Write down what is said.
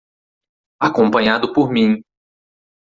Acompanhado por mim